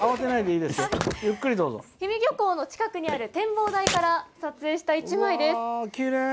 氷見漁港の近くにある展望台から撮影した一枚です。